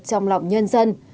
trong lòng nhân dân